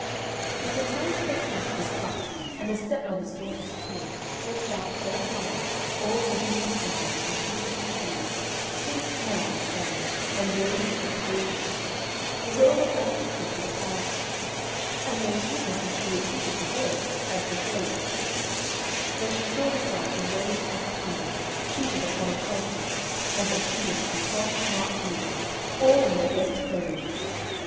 '" When the time for the feast was come, and the stepmother's daughters appeared, dressed out so fine, all ribbons and flowers, and slippers and shoes, sweet smells and bells, and roses and posies, Zezolla ran quickly to the flower pot, and no sooner had she repeated the words, as the fairy had told her, than she saw herself arrayed like a queen, seated upon a palfrey, and attended by twelve smart pages, all in their best clothes.